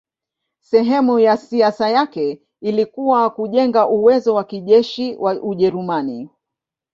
Sehemu ya siasa yake ilikuwa kujenga uwezo wa kijeshi wa Ujerumani.